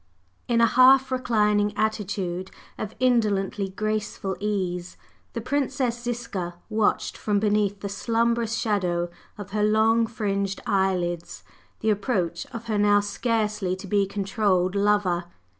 In/ a half reclining attitude of indolently graceful ease, the Princess Ziska watched from beneath the slumbrous shadow of her long fringed eyelids the approach of her now scarcely to be controlled lover.